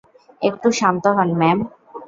একটু শান্ত হোন, ম্যাম!